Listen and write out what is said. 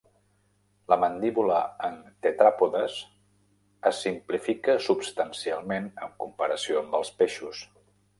La mandíbula en tetràpodes es simplifica substancialment en comparació amb els peixos.